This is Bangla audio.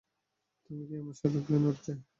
তুমি কি আমার সাথে প্লেনে উঠবে?